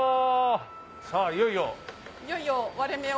さぁいよいよ。